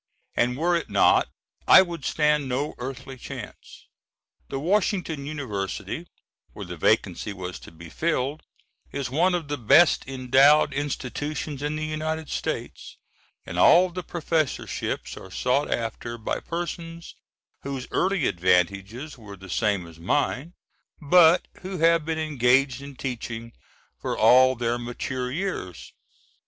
And were it not, I would stand no earthly chance. The Washington University, where the vacancy was to be filled, is one of the best endowed institutions in the United States, and all the professorships are sought after by persons whose early advantages were the same as mine, but who have been engaged in teaching all their mature years.